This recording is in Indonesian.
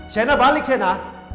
sena balik sena